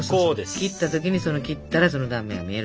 切った時にその切ったらその断面が見えると。